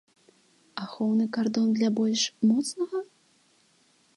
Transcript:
Ахоўны кардон для больш моцнага?